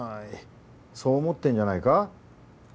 そう思ってんじゃないか？